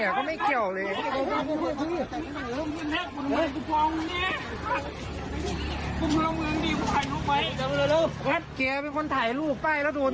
แกแกแกถ่ายไป